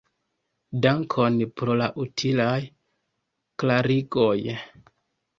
Dankon pro la utilaj klarigoj.